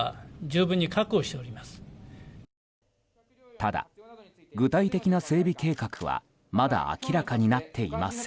ただ、具体的な整備計画はまだ明らかになっていません。